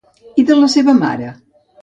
I de la seva mare?